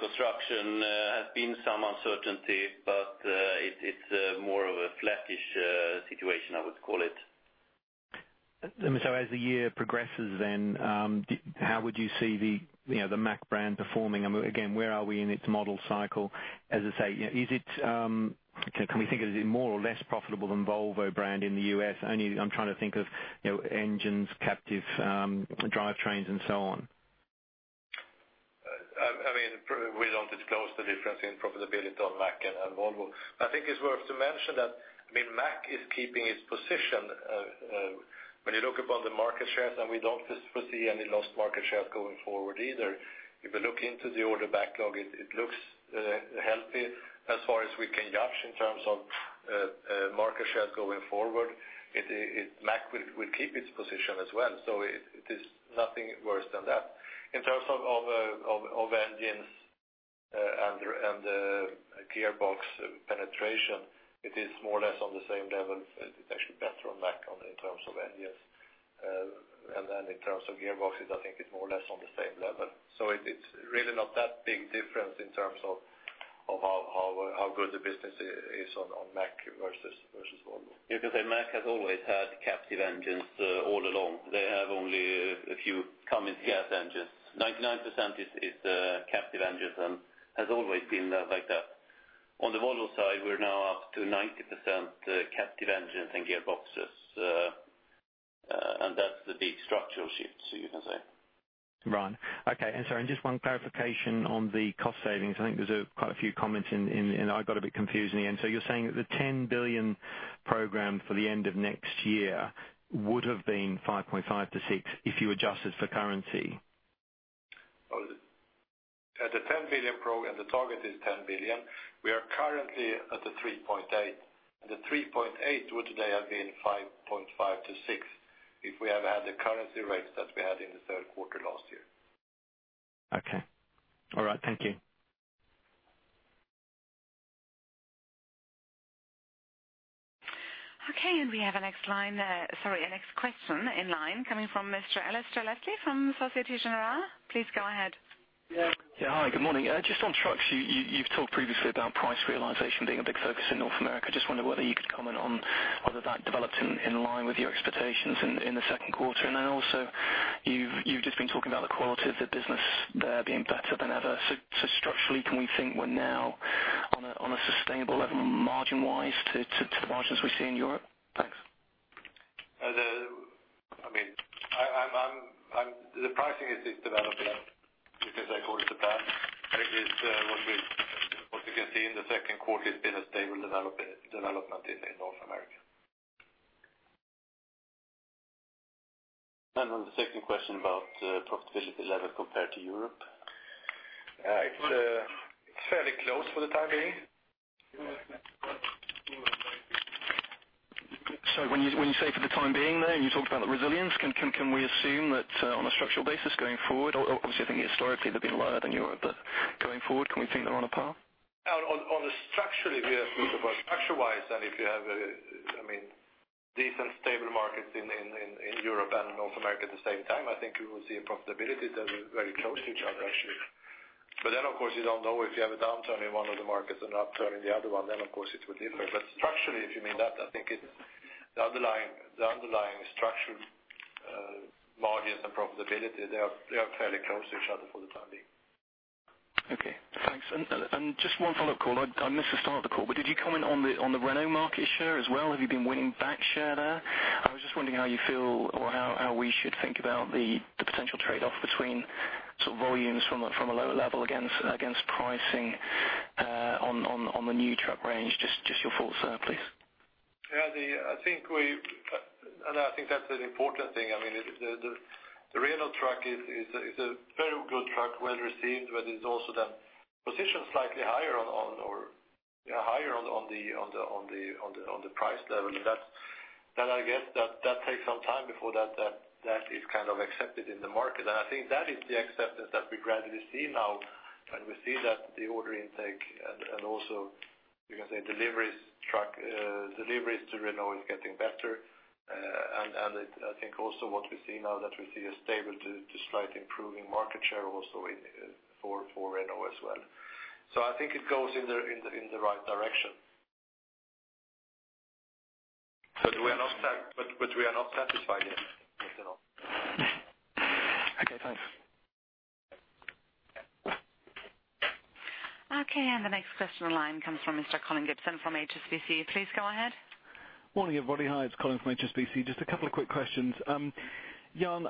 Construction has been some uncertainty, but it's more of a flattish situation, I would call it. As the year progresses then, how would you see the Mack brand performing? Again, where are we in its model cycle? As I say, can we think of it as more or less profitable than Volvo brand in the U.S.? I'm trying to think of engines, captive drivetrains and so on. We don't disclose the difference in profitability on Mack and Volvo. I think it's worth to mention that Mack is keeping its position. When you look upon the market shares, we don't foresee any lost market shares going forward either. If you look into the order backlog, it looks healthy as far as we can judge in terms of market share going forward. Mack will keep its position as well. It is nothing worse than that. In terms of engines and gearbox penetration, it is more or less on the same level. It's actually better on Mack in terms of engines. Then in terms of gearboxes, I think it's more or less on the same level. It's really not that big difference in terms of how good the business is on Mack versus Volvo. You could say Mack has always had captive engines all along. They have only a few Cummins gas engines. 99% is captive engines, has always been like that. On the Volvo side, we're now up to 90% captive engines and gearboxes. That's the big structural shift, so you can say. Right. Okay. Sorry, just one clarification on the cost savings. I think there's quite a few comments in, I got a bit confused in the end. You're saying that the 10 billion program for the end of next year would have been 5.5 billion-6 billion if you adjusted for currency? The target is 10 billion. We are currently at the 3.8 billion. The 3.8 billion would today have been 5.5 billion-6 billion if we had had the currency rates that we had in the third quarter last year. Okay. All right. Thank you. Okay, we have our next question in line coming from Mr. Alasdair Leslie from Société Générale. Please go ahead. Yeah. Hi, good morning. Just on trucks, you have talked previously about price realization being a big focus in North America. Just wonder whether you could comment on whether that developed in line with your expectations in the second quarter. Then also, you have just been talking about the quality of the business there being better than ever. Structurally, can we think we are now on a sustainable level margin-wise to the margins we see in Europe? Thanks. The pricing is developing as I call it the best. What you can see in the second quarter, it has been a stable development in North America. On the second question about profitability level compared to Europe? It's fairly close for the time being. When you say for the time being there, you talked about the resilience, can we assume that on a structural basis going forward, obviously, I think historically they've been lower than Europe, going forward, can we think they're on a par? On a structurally view, structure-wise, if you have decent, stable markets in Europe and North America at the same time, I think we will see a profitability that is very close to each other, actually. Of course, you don't know if you have a downturn in one of the markets and upturn in the other one, then of course it will differ. Structurally, if you mean that, I think the underlying structural margins and profitability, they are fairly close to each other for the time being. Okay, thanks. Just one follow-up call. I missed the start of the call. Did you comment on the Renault Trucks market share as well? Have you been winning back share there? I was just wondering how you feel or how we should think about the potential trade-off between volumes from a lower level against pricing on the new truck range. Just your thoughts there, please. Yeah. I think that's an important thing. The Renault Trucks is a very good truck, well-received, but it's also positioned slightly higher on the price level. That I guess that takes some time before that is accepted in the market. I think that is the acceptance that we gradually see now. We see that the order intake and also, you can say, deliveries to Renault Trucks is getting better. I think also what we see now that we see a stable to slight improving market share also for Renault Trucks as well. I think it goes in the right direction. We are not satisfied yet. Okay, thanks. Okay. The next question in line comes from Mr. Colin Gibson from HSBC. Please go ahead. Morning, everybody. Hi, it's Colin from HSBC. Just a couple of quick questions. Jan,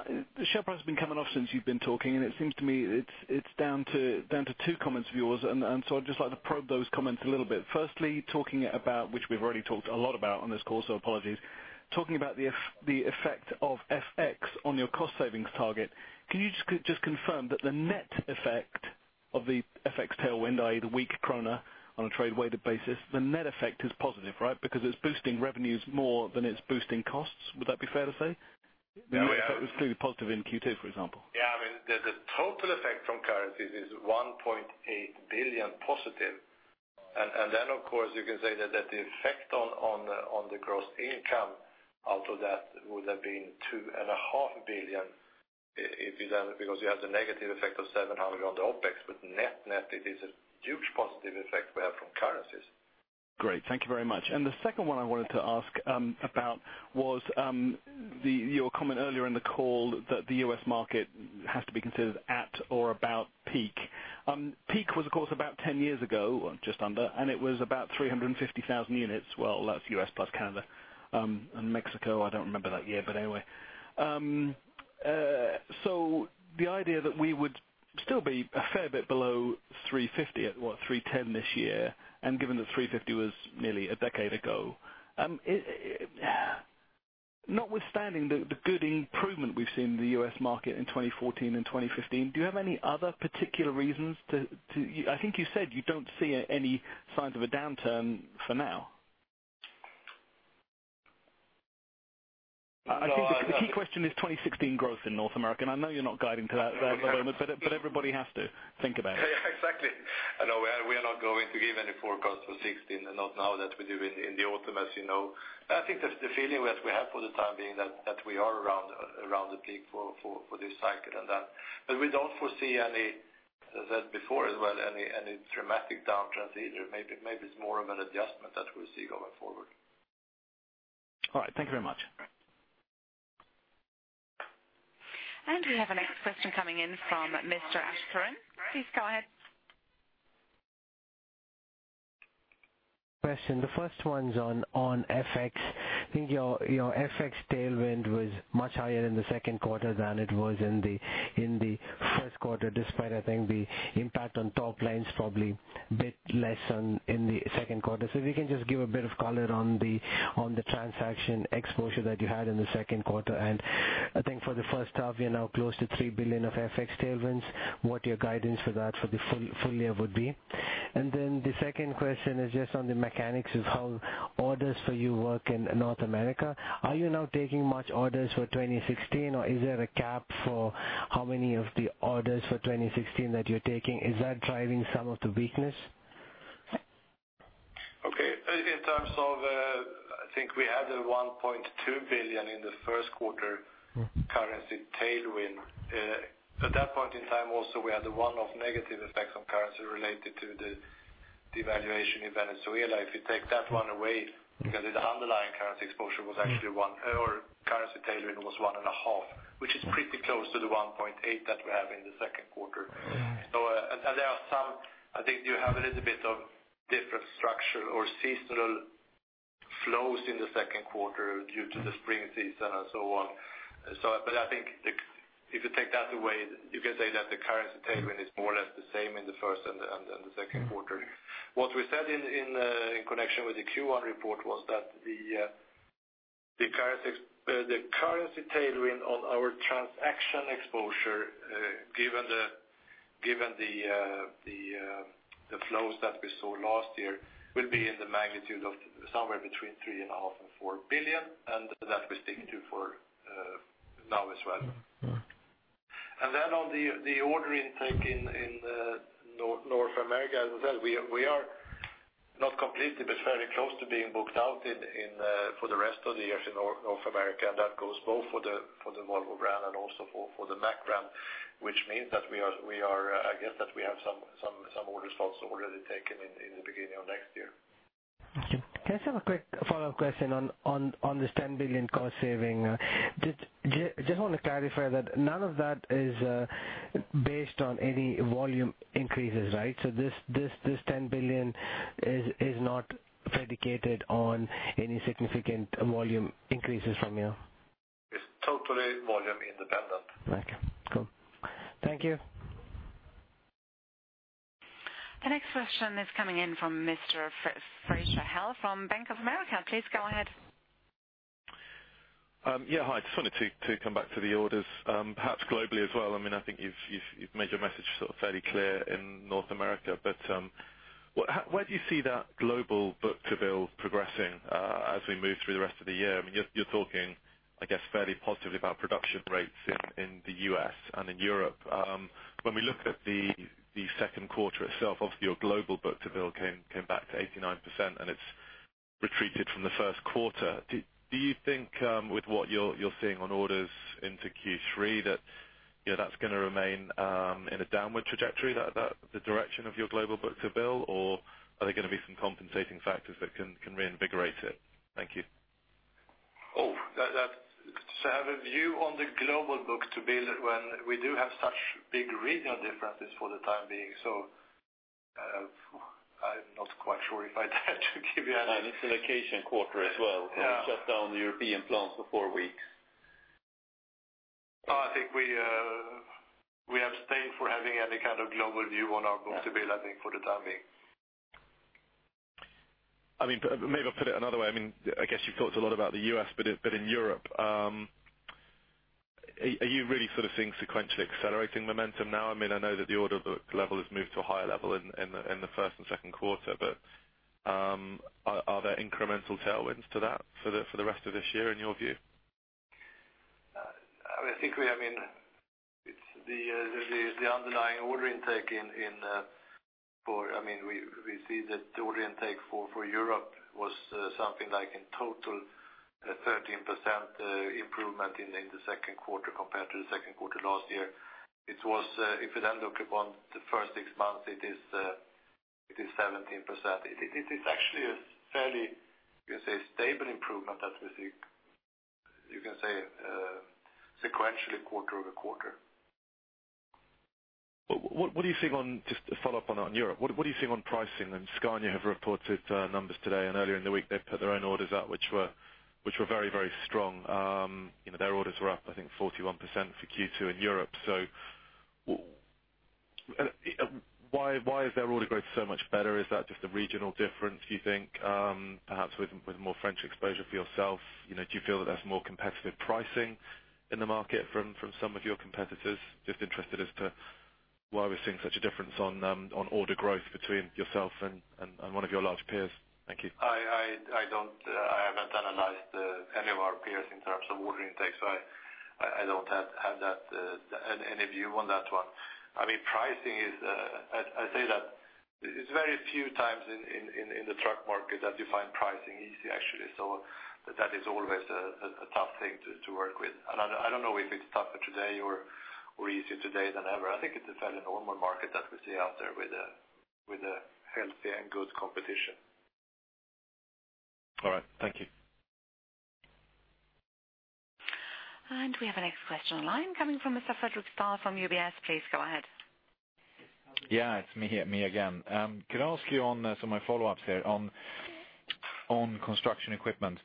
share price has been coming off since you've been talking, and it seems to me it's down to two comments of yours. I'd just like to probe those comments a little bit. Firstly, talking about, which we've already talked a lot about on this call. Apologies. Talking about the effect of FX on your cost savings target, can you just confirm that the net effect of the FX tailwind, i.e. the weak krona on a trade-weighted basis, the net effect is positive, right? It's boosting revenues more than it's boosting costs. Would that be fair to say? It was clearly positive in Q2, for example. Yeah. The total effect from currencies is 1.8 billion positive. Of course, you can say that the effect on the gross income out of that would have been 2.5 billion, because you have the negative effect of 700 million on the OpEx. Net, it is a huge positive effect we have from currencies. Great. Thank you very much. The second one I wanted to ask about was your comment earlier in the call that the U.S. market has to be considered at or about peak. Peak was, of course, about 10 years ago, just under, and it was about 350,000 units. Well, that's U.S. plus Canada. Mexico, I don't remember that year. Anyway. The idea that we would still be a fair bit below 350 at, what, 310 this year, given that 350 was nearly a decade ago. Notwithstanding the good improvement we've seen in the U.S. market in 2014 and 2015, do you have any other particular reasons to I think you said you don't see any signs of a downturn for now? I think the key question is 2016 growth in North America. I know you're not guiding to that at the moment. Everybody has to think about it. Exactly. No, we are not going to give any forecast for 2016, not now, that we do in the autumn, as you know. I think that the feeling that we have for the time being, that we are around the peak for this cycle and that. We don't foresee any, as I said before as well, any dramatic downturns either. Maybe it's more of an adjustment that we'll see going forward. All right. Thank you very much. We have our next question coming in from Mr. Asharinn. Please go ahead. Question, the first one's on FX. I think your FX tailwind was much higher in the second quarter than it was in the first quarter, despite, I think, the impact on top line's probably bit less in the second quarter. If you can just give a bit of color on the transaction exposure that you had in the second quarter, and I think for the first half, you're now close to 3 billion of FX tailwinds. What your guidance for that for the full year would be? The second question is just on the mechanics of how orders for you work in North America. Are you now taking much orders for 2016, or is there a cap for how many of the orders for 2016 that you're taking? Is that driving some of the weakness? Okay. In terms of, I think we had 1.2 billion in the first quarter currency tailwind. At that point in time also, we had a one-off negative effects on currency related to the devaluation in Venezuela. If you take that one away, because its underlying currency exposure or currency tailwind was 1.5 billion, which is pretty close to 1.8 billion that we have in the second quarter. There are some, I think you have a little bit of different structure or seasonal flows in the second quarter due to the spring season and so on. I think if you take that away, you can say that the currency tailwind is more or less the same in the first and the second quarter. What we said in connection with the Q1 report was that the currency tailwind on our transaction exposure, given the flows that we saw last year, will be in the magnitude of somewhere between 3.5 billion-4 billion, and that we are sticking to for now as well. On the order intake in North America, as I said, we are not completely, but fairly close to being booked out for the rest of the year in North America, and that goes both for the Volvo brand and also for the Mack brand, which means that we have some orders also already taken in the beginning of next year. Okay. Can I just have a quick follow-up question on this 10 billion cost saving? Just want to clarify that none of that is based on any volume increases, right? This 10 billion is not predicated on any significant volume increases from you. It's totally volume independent. Okay, cool. Thank you. The next question is coming in from Mr. Fraser Hill from Bank of America. Please go ahead. Hi. Just wanted to come back to the orders, perhaps globally as well. I think you've made your message sort of fairly clear in North America, but where do you see that global book-to-bill progressing as we move through the rest of the year? You're talking, I guess, fairly positively about production rates in the U.S. and in Europe. When we look at the second quarter itself, obviously your global book-to-bill came back to 89%, and it's retreated from the first quarter. Do you think with what you're seeing on orders into Q3 that's going to remain in a downward trajectory, the direction of your global book-to-bill, or are there going to be some compensating factors that can reinvigorate it? Thank you. Oh. To have a view on the global book-to-bill when we do have such big regional differences for the time being, so I'm not quite sure if I'd have to give you. It's a vacation quarter as well. Yeah. We shut down the European plant for four weeks. No, I think we abstain for having any kind of global view on our book-to-bill. Yeah I think, for the time being. Maybe I'll put it another way. I guess you've talked a lot about the U.S., but in Europe, are you really seeing sequential accelerating momentum now? I know that the order book level has moved to a higher level in the first and second quarter, but are there incremental tailwinds to that for the rest of this year in your view? The underlying order intake, we see that the order intake for Europe was something like in total, a 13% improvement in the second quarter compared to the second quarter last year. If you look upon the first six months, it is 17%. It is actually a fairly, you can say, stable improvement that we see, you can say, sequentially quarter-over-quarter. Just to follow up on Europe. What are you seeing on pricing? Scania have reported numbers today and earlier in the week they put their own orders out, which were very, very strong. Their orders were up, I think 41% for Q2 in Europe. Why is their order growth so much better? Is that just the regional difference, do you think? Perhaps with more French exposure for yourself, do you feel that there's more competitive pricing in the market from some of your competitors? Just interested as to why we're seeing such a difference on order growth between yourself and one of your large peers. Thank you. I haven't analyzed any of our peers in terms of order intake. I don't have any view on that one. Pricing is, I say that it's very few times in the truck market that you find pricing easy, actually. That is always a tough thing to work with. I don't know if it's tougher today or easier today than ever. I think it's a fairly normal market that we see out there with a healthy and good competition. All right. Thank you. We have our next question online coming from Mr. Fredric Stahl from UBS. Please go ahead. Yeah. It's me again. Can I ask you on some of my follow-ups here on construction equipment,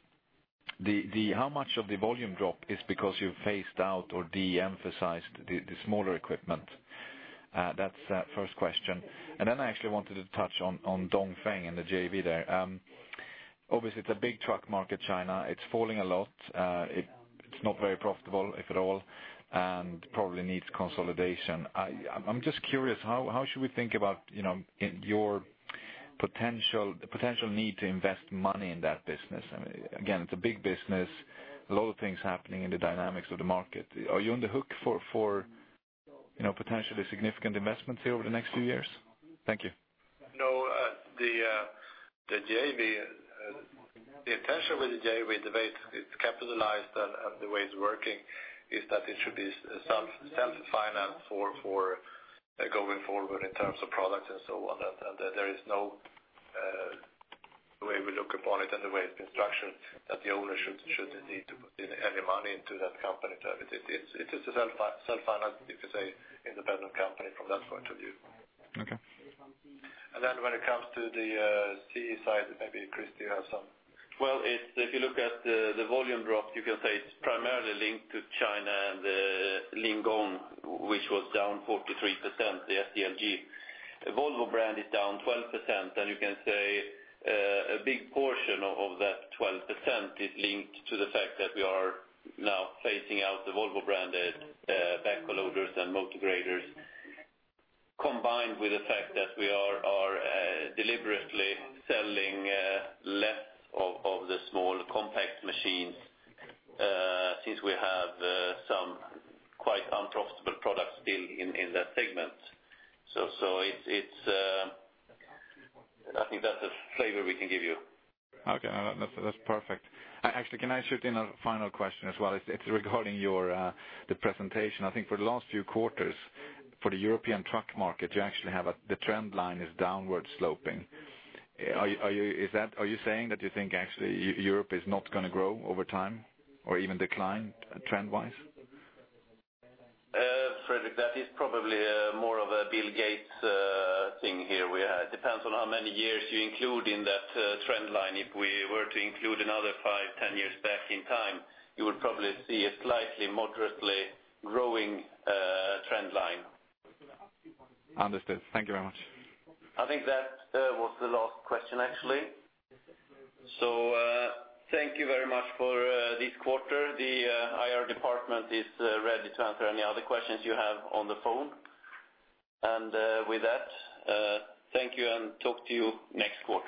how much of the volume drop is because you've phased out or de-emphasized the smaller equipment? That's first question. Then I actually wanted to touch on Dongfeng and the JV there. Obviously, it's a big truck market, China. It's falling a lot. It's not very profitable, if at all, and probably needs consolidation. I'm just curious, how should we think about, the potential need to invest money in that business? Again, it's a big business, a lot of things happening in the dynamics of the market. Are you on the hook for potentially significant investments here over the next few years? Thank you. No. The intention with the JV, the way it's capitalized and the way it's working is that it should be self-finance for going forward in terms of products and so on. There is no way we look upon it and the way it's been structured that the owner should need to put in any money into that company. It is a self-finance, you could say, independent company from that point of view. Okay. Then when it comes to the CE side, maybe Christer has some. Well, if you look at the volume drop, you can say it's primarily linked to China and Lingong, which was down 43%, the SDLG. The Volvo brand is down 12%, and you can say a big portion of that 12% is linked to the fact that we are now phasing out the Volvo branded backhoe loaders and motor graders, combined with the fact that we are deliberately selling less of the small compact machines, since we have some quite unprofitable products still in that segment. I think that's the flavor we can give you. Okay. That's perfect. Actually, can I shoot in a final question as well? It's regarding the presentation. I think for the last few quarters, for the European truck market, the trend line is downward sloping. Are you saying that you think actually Europe is not going to grow over time or even decline trend-wise? Fredric, that is probably more of a Bill Gates thing here, where it depends on how many years you include in that trend line. If we were to include another five, 10 years back in time, you would probably see a slightly moderately growing trend line. Understood. Thank you very much. I think that was the last question, actually. Thank you very much for this quarter. The IR department is ready to answer any other questions you have on the phone. With that, thank you and talk to you next quarter.